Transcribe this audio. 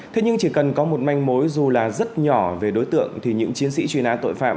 thế nhưng chỉ cần có một manh mối dù là rất nhỏ về đối tượng thì những chiến sĩ truy nã tội phạm